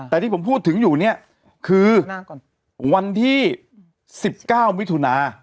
แต่ที่ผมพูดถึงอยู่เนี้ยคือหน้าก่อนวันที่สิบเก้ามิถุนา